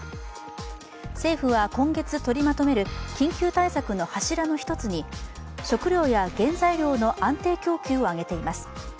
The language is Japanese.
政府は今月取りまとめる緊急対策の柱の１つに食料や原材料の安定供給を挙げています。